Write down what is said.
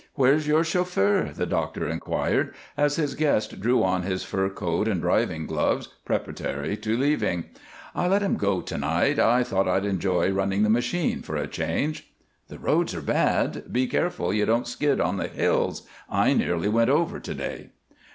"Where's your chauffeur?" the doctor inquired as his guest drew on his fur coat and driving gloves, preparatory to leaving. "I let him go to night. I thought I'd enjoy running the machine, for a change." "The roads are bad; be careful you don't skid on the hills. I nearly went over to day."